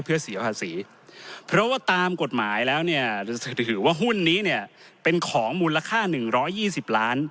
เพื่อเสียภาษีเพราะว่าตามกฎหมายแล้วเนี่ยจะถือว่าหุ้นนี้เนี่ยเป็นของมูลค่า๑๒๐ล้าน